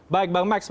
baik bang max